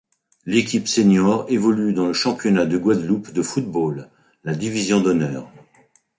L'équipe sénior évolue dans le Championnat de Guadeloupe de football, la Division d'honneur.